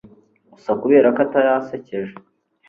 Gusa kubera ko atari asekeje